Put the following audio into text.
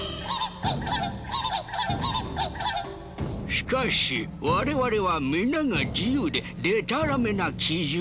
しかし我々は皆が自由ででたらめな奇獣。